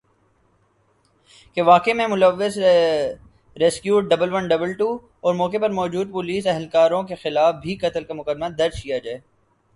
کہ واقعہ میں ملوث rescue double one double two اور موقع پر موجود پولیس اہلکاروں کے خلاف بھی قتل کا مقدمہ درج کیا جائے